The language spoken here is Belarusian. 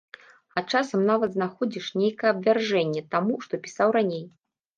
А часам нават знаходзіш нейкае абвяржэнне таму, што пісаў раней.